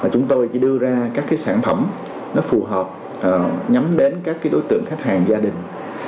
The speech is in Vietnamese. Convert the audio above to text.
chúng tôi chỉ đưa ra các sản phẩm phù hợp nhắm đến các đối tượng khách hàng gia đình